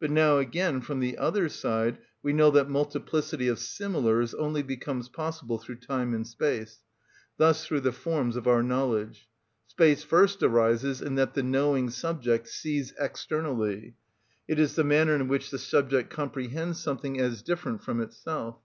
But now, again, from the other side we know that multiplicity of similars only becomes possible through time and space; thus through the forms of our knowledge. Space first arises in that the knowing subject sees externally; it is the manner in which the subject comprehends something as different from itself.